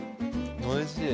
おいしい！